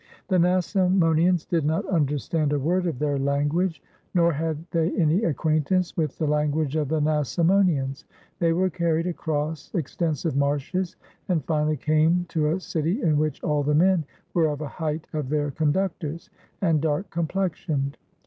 The Nasamonians did not understand a word of their language, nor had they any acquaintance with the lan guage of the Nasamonians. They were carried across extensive marshes, and finally came to a city in which all the men wTre of the height of their conductors, and dark complexioned.